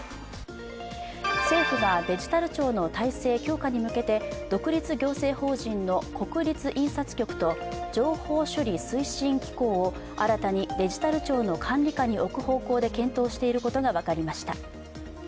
政府がデジタル庁の体制強化に向けて独立行政法人の国立印刷局と情報処理推進機構を新たにデジタル庁の管理下に置く方向で検討していることが分かりました。